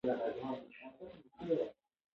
موخه دا وه ،